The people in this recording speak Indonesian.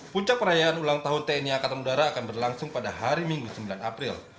puncak perayaan ulang tahun tni angkatan udara akan berlangsung pada hari minggu sembilan april